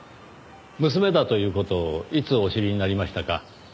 娘だという事をいつお知りになりましたか？